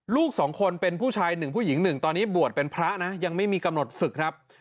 ลูกสองคนเป็นผู้ชายหนึ่งผู้หญิง๑ตอนนี้บวชเป็นพระนะยังไม่มีกำหนดศึกครับ